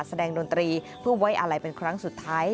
แสดงดนตรีเพื่อไว้อะไรเป็นครั้งสุดท้าย